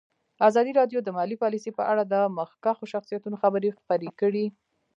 ازادي راډیو د مالي پالیسي په اړه د مخکښو شخصیتونو خبرې خپرې کړي.